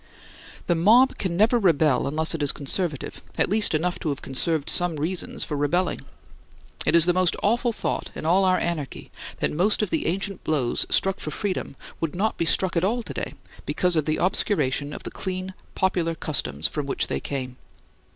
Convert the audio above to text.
The mob can never rebel unless it is conservative, at least enough to have conserved some reasons for rebelling. It is the most awful thought in all our anarchy, that most of the ancient blows struck for freedom would not be struck at all to day, because of the obscuration of the clean, popular customs from which they came.